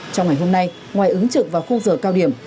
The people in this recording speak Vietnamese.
trong ngày hôm nay ngoài ứng trực vào khung giờ cao điểm